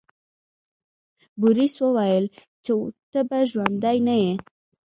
بوریس وویل چې ته به ژوندی نه یې.